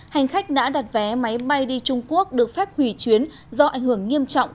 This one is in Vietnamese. hành khách đã đặt vé máy bay đi trung quốc được phép hủy chuyến do ảnh hưởng nghiêm trọng